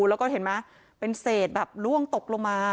แล้วก็เห็นไหมเป็นเศษแบบล่วงตกลงมา